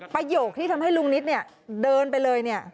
ประโยคที่ทำให้ลุงนิทเดินไปเลย